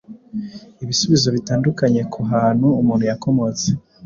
ibisubizo bitandukanye ku hantu umuntu yakomotse,